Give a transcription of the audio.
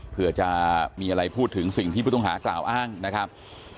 เพื่อจะมีอะไรพูดถึงสิ่งที่ผู้ต้องหากล่าวอ้างนะครับ